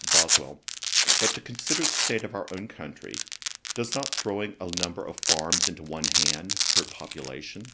BOSWELL. 'But, to consider the state of our own country; does not throwing a number of farms into one hand hurt population?'